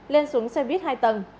lên xuống xe buýt hai tầng